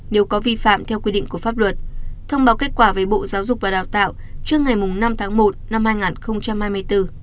nếu có vi phạm theo quy định của pháp luật thông báo kết quả về bộ giáo dục và đào tạo trước ngày năm tháng một năm hai nghìn hai mươi bốn